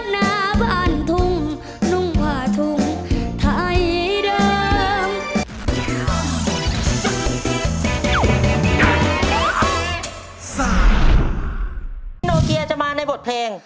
โนเกียจะมาในบทเพลง